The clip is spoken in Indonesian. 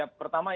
ya pertama ya